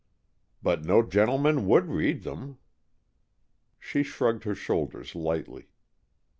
"But no gentleman would read them." She shrugged her shoulders lightly.